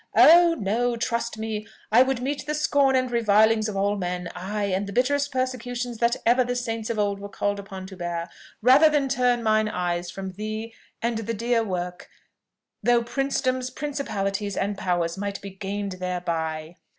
"Oh no! Trust me, I would meet the scorn and revilings of all men aye, and the bitterest persecutions that ever the saints of old were called upon to bear, rather than turn mine eyes from thee and the dear work, though princedoms, principalities, and powers might be gained thereby!